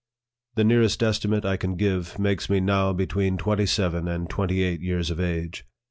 The nearest estimate I can give makes me now between twenty seven and twenty eight years of age.